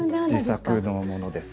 自作のものです。